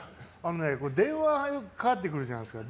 電話がかかってくるじゃないですか。